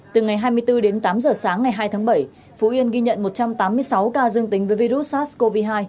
từ ngày hai mươi bốn đến tám giờ sáng ngày hai tháng bảy phú yên ghi nhận một trăm tám mươi sáu ca dương tính với virus sars cov hai